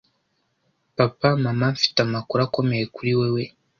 Papa! Mama! Mfite amakuru akomeye kuri wewe!